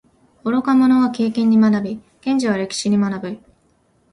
愚か者は経験に学び，賢者は歴史に学ぶ。